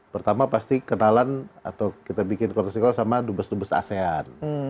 pertama pasti kenalan atau kita bikin konteschol sama dubes dubes asean